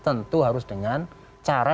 tentu harus dengan cara